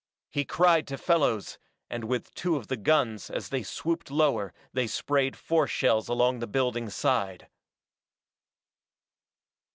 He cried to Fellows, and with two of the guns as they swooped lower they sprayed force shells along the building's side.